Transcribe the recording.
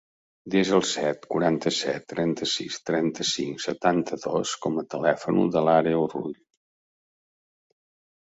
Desa el set, quaranta-set, trenta-sis, trenta-cinc, setanta-dos com a telèfon de l'Àreu Rull.